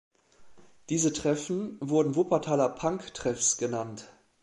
Diese Treffen wurden „Wuppertaler Punk-Treffs“ genannt.